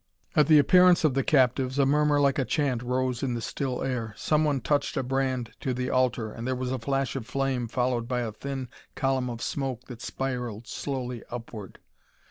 At the appearance of the captives, a murmur like a chant rose in the still air. Someone touched a brand to the altar and there was a flash of flame followed by a thin column of smoke that spiraled slowly upward.